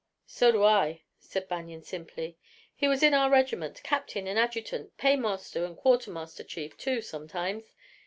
"So do I," said Banion simply. "He was in our regiment captain and adjutant, paymaster and quartermaster chief, too, sometimes.